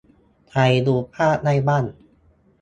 - ใครดูภาพได้บ้าง